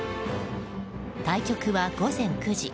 対局は午前９時。